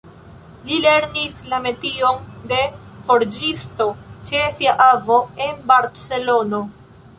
Li lernis la metion de forĝisto ĉe sia avo en Barcelono.